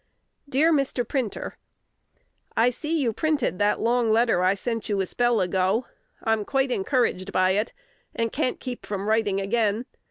Dear Mr. Printer, I see you printed that long letter I sent you a spell ago: I'm quite encouraged by it, and can't keep from writing again.